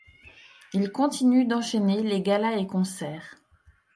Il continue d'enchaîner les galas et concerts.